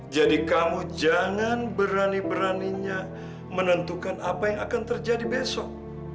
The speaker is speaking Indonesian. jadi kamu jangan berani beraninya menentukan apa yang akan terjadi besok